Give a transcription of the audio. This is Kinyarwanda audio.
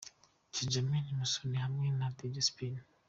Benjamin Musoni hamwe na Dj Spin.